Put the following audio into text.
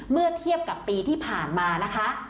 เมื่อเทียบกับปีที่ผ่านมานะคะ